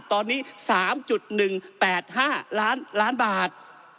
ตอนนี้๓๑๘๕ล้านบาท